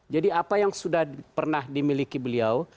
jadi apa yang sudah pernah dimiliki beliau